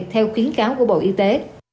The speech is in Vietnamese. theo khuyến cáo của bộ y tế